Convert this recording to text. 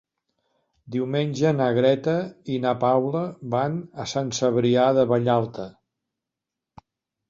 Diumenge na Greta i na Paula van a Sant Cebrià de Vallalta.